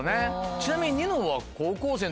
ちなみに。